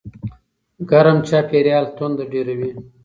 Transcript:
ګرم چاپېریال تنده ډېروي.